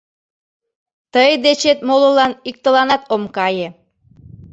Тый дечет молылан иктыланат ом кае!..